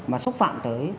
mà xúc phạm tới